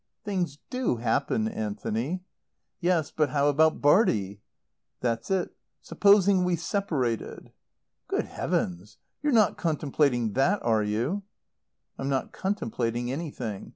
"Things do happen, Anthony." "Yes, but how about Bartie?" "That's it. Supposing we separated." "Good Heavens, you're not contemplating that, are you?" "I'm not contemplating anything.